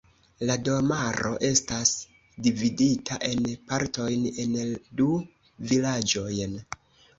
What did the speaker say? La domaro estas dividita en partojn en du vilaĝojn.